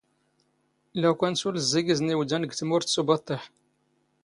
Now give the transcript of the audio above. ⵍⴰ ⵓⴽⴰⵏ ⵙⵓⵍ ⵣⵣⵉⴳⵉⵣⵏ ⵉⵡⴷⴰⵏ ⴳ ⵜⵎⵓⵔⵜ ⴰ ⵙ ⵓⴱⴰⵟⵟⵉⵃ.